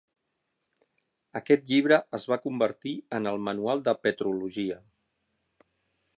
Aquest llibre es va convertir en "el" manual de petrologia.